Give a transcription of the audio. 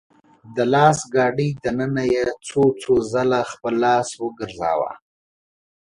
د لاس ګاډي دننه يې څو څو ځله خپل لاس وګرځاوه .